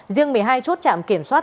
riêng một mươi hai chốt chạm kiểm soát